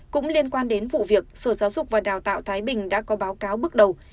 cũng liên quan đến vụ việc sở giáo dục và đào tạo thái bình đã có báo cáo bước đầu